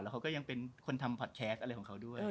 เขาก็ยังเป็นคนทำพอดแคสต์อะไรของเขาด้วย